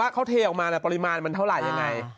เขาเทออกมาปริมาณมันเท่าไหร่ยังไง